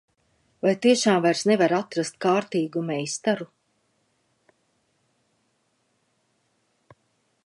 Vai tiešām vairs nevar atrast kārtīgu meistaru?